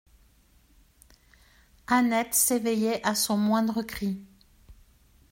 Annette s'éveillait à son moindre cri.